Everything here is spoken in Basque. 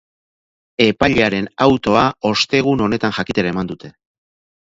Epailearen autoa ostegun honetan jakitera eman dute.